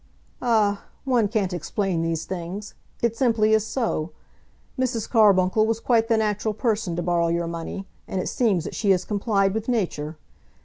"Ah, one can't explain these things. It simply is so. Mrs. Carbuncle was quite the natural person to borrow your money, and it seems that she has complied with nature.